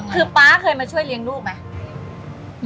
คือป๊าเคยมาช่วยเลี้ยงลูกไหม